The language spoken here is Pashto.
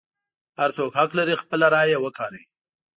هر څوک حق لري خپله رایه وکاروي.